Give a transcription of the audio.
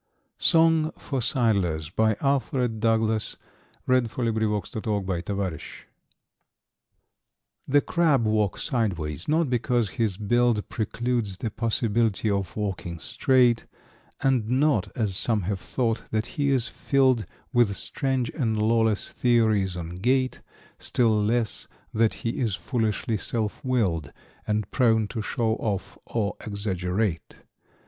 metimes tried by lack of air, and heat. Good God! The Cod.= SONG FOR SIDLERS |THE Crab walks sideways, not because his build `Precludes the possibility of walking straight, And not (as some have thought) that he is filled `With strange and lawless theories on gait; Still less that he is foolishly self willed `And prone to show off or exaggerate.